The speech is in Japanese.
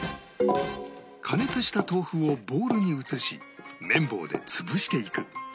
加熱した豆腐をボウルに移し麺棒で潰していく